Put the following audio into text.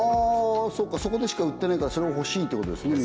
そこでしか売ってないからそれが欲しいということですね